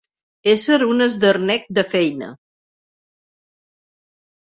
Ésser un esdernec de feina.